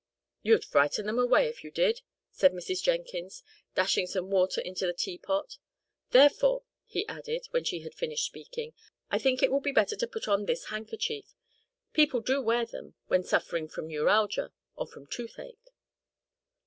"You'd frighten them away, if you did," said Mrs. Jenkins, dashing some water into the teapot. "Therefore," he added, when she had finished speaking, "I think it will be better to put on this handkerchief. People do wear them, when suffering from neuralgia, or from toothache."